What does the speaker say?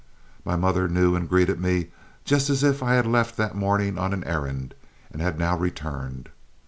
My mother knew and greeted me just as if I had left home that morning on an errand, and had now returned.